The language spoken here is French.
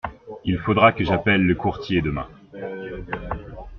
Il faudra que j’appelle le courtier demain.